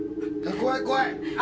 怖い、怖い！